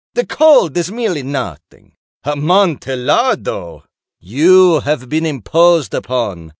The cold is merely nothing. Amontillado! You have been imposed upon.